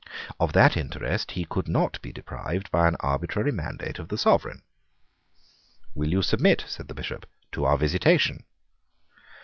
Of that interest he could not be deprived by an arbitrary mandate of the Sovereign. "Will you submit", said the Bishop, "to our visitation?"